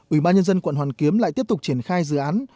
ủy ban nhân dân quận hoàn kiếm lại tiếp tục triển khai dự án